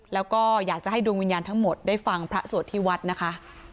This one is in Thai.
แล้วก็อยากจะให้ดวงวิญญาณทั้งหมดได้ฟังพระสวดที่วัดนะคะ